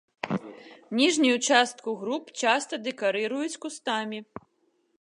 Ніжнюю частку груп часта дэкарыруюць кустамі.